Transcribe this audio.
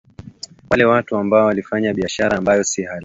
wale watu ambao wanafanyia biashara ambao sio halai